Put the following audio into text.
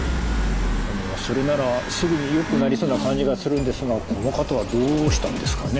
それならすぐによくなりそうな感じがするんですがこの方はどうしたんですかね？